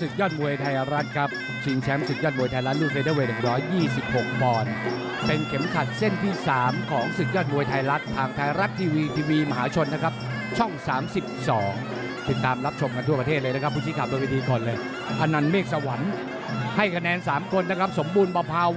ศึกยอดมวยไทยรัฐเป็นเดิมผ่านด้วยติดตามยกแรกครับ